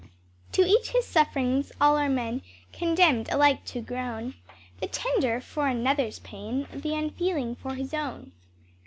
"To each his sufferings: all are men Condemn'd alike to groan; The tender for another's pain, The unfeeling for his own."